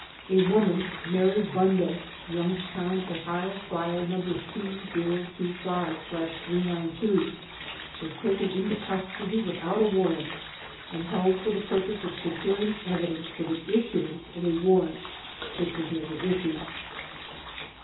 A woman, Mary Bunda (Youngstown, Ohio, File No. 2025/392), was taken into custody without a warrant and held for the purpose of securing evidence for the issuance of a warrant which was never issued.